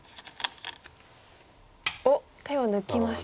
おっ手を抜きました。